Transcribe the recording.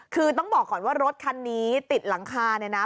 คือต้องบอกก่อนว่ารถคันนี้ติดหลังคาเนี่ยนะ